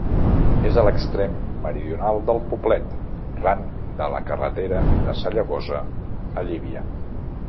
És a l'extrem meridional del poblet, ran de la carretera de Sallagosa a Llívia.